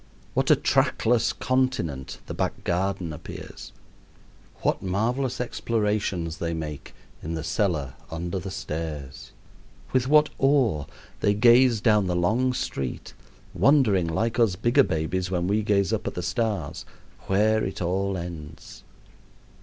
What a trackless continent the back garden appears! What marvelous explorations they make in the cellar under the stairs! With what awe they gaze down the long street, wondering, like us bigger babies when we gaze up at the stars, where it all ends!